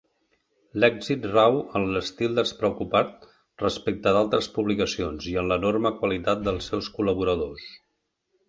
L'èxit rau en l'estil despreocupat respecte d'altres publicacions i en l'enorme qualitat dels seus col·laboradors.